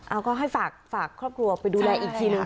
เอาก็ให้ฝากครอบครัวไปดูแลอีกทีหนึ่ง